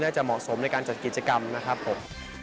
จะเหมาะสมในการจัดกิจกรรมนะครับผม